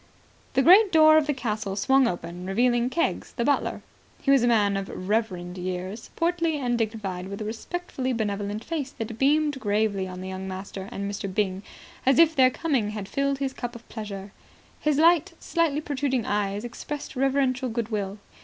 The great door of the castle swung open, revealing Keggs, the butler. He was a man of reverend years, portly and dignified, with a respectfully benevolent face that beamed gravely on the young master and Mr. Byng, as if their coming had filled his cup of pleasure. His light, slightly protruding eyes expressed reverential good will.